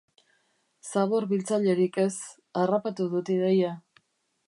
Zabor-biltzailerik ez, harrapatu dut ideia.